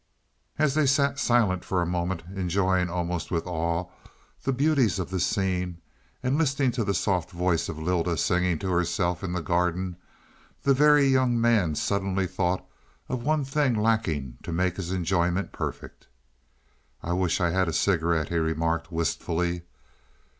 As they sat silent for a moment, enjoying almost with awe the beauties of the scene, and listening to the soft voice of Lylda singing to herself in the garden, the Very Young Man suddenly thought of the one thing lacking to make his enjoyment perfect. "I wish I had a cigarette," he remarked wistfully.